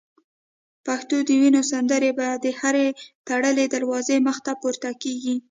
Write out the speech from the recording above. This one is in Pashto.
پښتون د وینو سندري به د هري تړلي دروازې مخته پورته کیږي